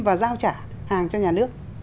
và giao trả hàng cho nhà nước